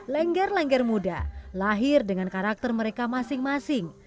lengger lengger muda lahir dengan karakter mereka masing masing